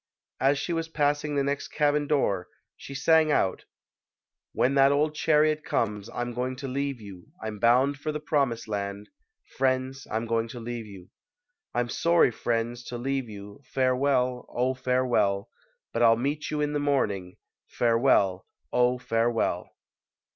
As she was passing the next cabin door she sang out : When that old chariot comes, I'm going to leave you; I'm bound for the promised land. Friends, I'm going to leave you. I'm sorry, friends, to leave you, Farewell ! Oh, farewell ! But I'll meet you in the morning ! Farewell ! Oh, farewell